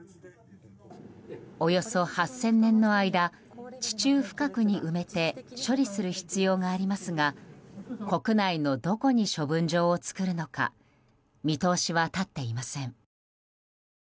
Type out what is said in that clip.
およそ８０００年の間地中深くに埋めて処理する必要がありますが国内のどこに処分場を作るのか見通しは立っていません。